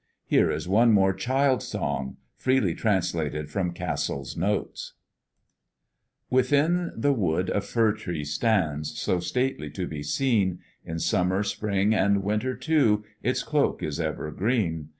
Here is one more child song, freely translated from Cassel's notes: Within the wood a fir tree stands, So stately to be seen; In summer, spring and winter, too, Its cloak is ever green.